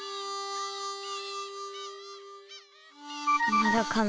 まだかな。